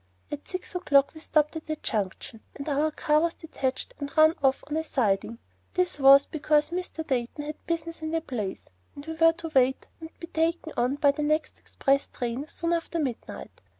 At six o'clock we stopped at a junction, and our car was detached and run off on a siding. This was because Mr. Dayton had business in the place, and we were to wait and be taken on by the next express train soon after midnight.